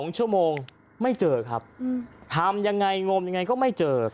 ๒ชั่วโมงไม่เจอครับทำยังไงงมยังไงก็ไม่เจอ